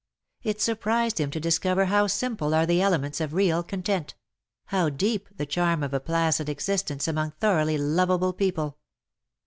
It surprised him to discover how simple are the elements of real content — how deej) the charm of a placid existence among thoroughly loveable people